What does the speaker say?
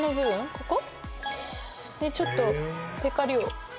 ここにちょっとてかりを。